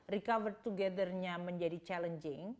recover together nya menjadi challenging